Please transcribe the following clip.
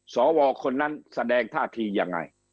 สวคนนั้นแสดงท่าทียังไง